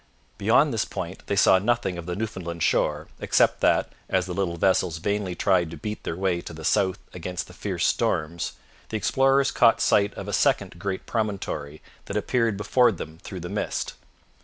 Beyond this point they saw nothing of the Newfoundland shore, except that, as the little vessels vainly tried to beat their way to the south against the fierce storms, the explorers caught sight of a second great promontory that appeared before them through the mist.